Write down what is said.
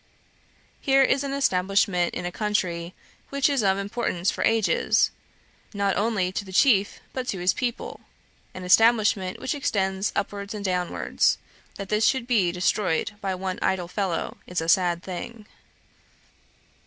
Here is an establishment in a country, which is of importance for ages, not only to the chief but to his people; an establishment which extends upwards and downwards; that this should be destroyed by one idle fellow is a sad thing.'